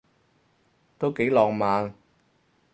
都幾浪漫